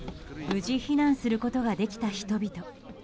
無事、避難することができた人々。